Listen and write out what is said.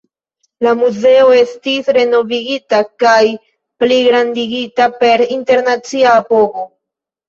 La muzeo estis renovigita kaj pligrandigita per internacia apogo.